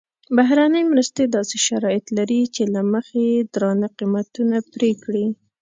بهرنۍ مرستې داسې شرایط لري چې له مخې یې درانده قیمتونه پرې کړي.